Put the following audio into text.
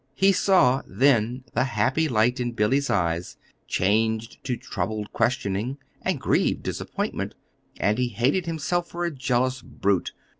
He saw, then, the happy light in Billy's eyes change to troubled questioning and grieved disappointment; and he hated himself for a jealous brute.